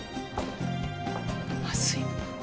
まずい。